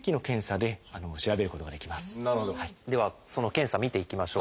ではその検査見ていきましょう。